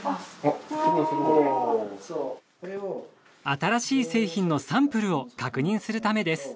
新しい製品のサンプルを確認するためです。